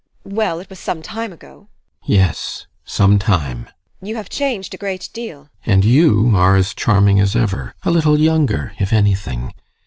Well, it was some time ago GUSTAV. Yes, some time. TEKLA. You have changed a great deal. GUSTAV. And you are as charming as ever, A little younger, if anything.